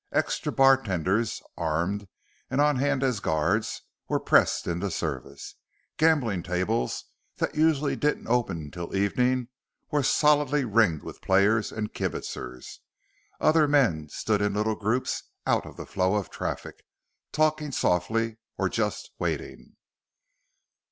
Extra bartenders, armed and on hand as guards, were pressed into service. Gambling tables that usually didn't open till evening were solidly ringed with players and kibitzers. Other men stood in little groups out of the flow of traffic, talking softly or just waiting.